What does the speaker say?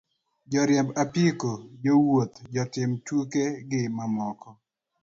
Joriembo apiko, jowuoth, jotimo tuke, gi mamoko.